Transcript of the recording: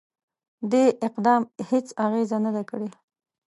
دې اقدام هیڅ اغېزه نه ده کړې.